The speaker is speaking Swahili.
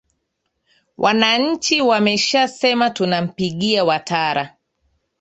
wananchi wameshasema tunampigia watara